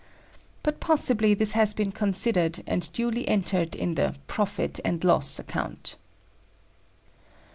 But possibly this has been considered and duly entered in the "profit and loss" account.